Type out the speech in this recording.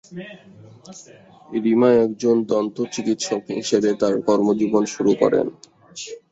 রিমা একজন দত্ত চিকিৎসক হিসেবে তার কর্মজীবন শুরু করেন।